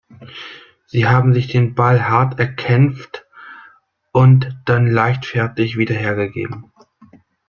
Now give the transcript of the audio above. Sie haben sich den Ball hart erkämpft und dann leichtfertig wieder hergegeben.